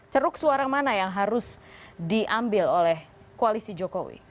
ceruk suara mana yang harus diambil oleh koalisi jokowi